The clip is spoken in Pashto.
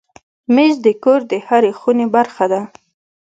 مېز د کور د هرې خونې برخه ده.